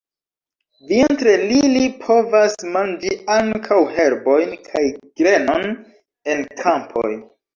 Vintre ili povas manĝi ankaŭ herbojn kaj grenon en kampoj.